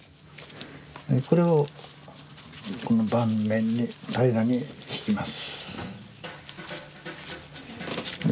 これをこの盤面に平らにひきます。